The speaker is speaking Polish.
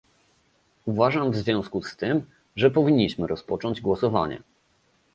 Uważam w związku z tym, że powinniśmy rozpocząć głosowanie